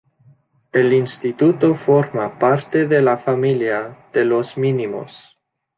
El instituto forma parte de la Familia de los Mínimos.